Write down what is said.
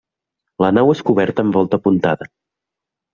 La nau és coberta amb volta apuntada.